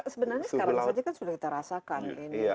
sebenarnya sekarang saja kan sudah kita rasakan ini ada